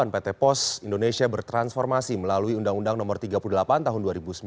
pt pos indonesia bertransformasi melalui undang undang no tiga puluh delapan tahun dua ribu sembilan